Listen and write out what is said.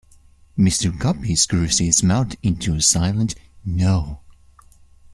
Mr. Guppy screws his mouth into a silent "No!"